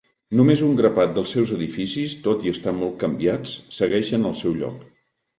Només un grapat dels seus edificis, tot i estar molt canviats, segueixen al seu lloc.